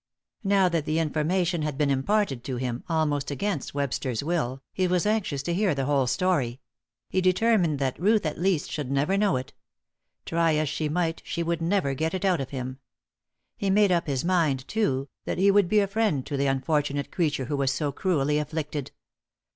Now that the information had been imparted to him almost against Webster's will, he was anxious to hear the whole story; he determined that Ruth, at least, should never know it. Try as she might, she would never get it out of him. He made up his mind, too, that he would be a friend to the unfortunate creature who was so cruelly afflicted.